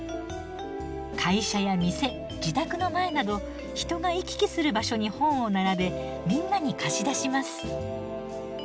会社や店自宅の前など人が行き来する場所に本を並べみんなに貸し出します。